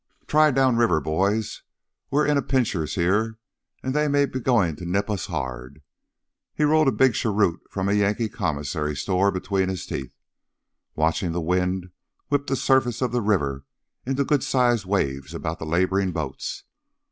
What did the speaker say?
"Try downriver, boys. We're in a pinchers here, and they may be goin' to nip us hard!" He rolled a big cheroot from a Yankee commissary store between his teeth, watching the wind whip the surface of the river into good sized waves about the laboring boats.